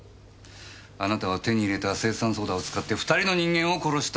あなたは手に入れた青酸ソーダを使って２人の人間を殺した。